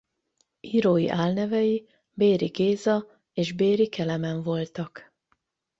Írói álnevei Béri Géza és Béri Kelemen voltak.